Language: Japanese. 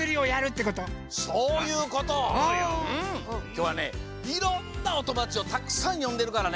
きょうはねいろんなおともだちをたくさんよんでるからね